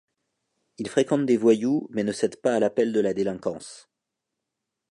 Il fréquente des voyous mais ne cède pas à l'appel de la délinquance.